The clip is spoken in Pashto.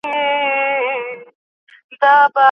هغوی باید د ټولنیزو خدماتو څخه برخمن شي.